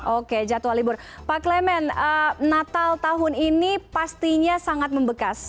oke jadwal libur pak clement natal tahun ini pastinya sangat membekas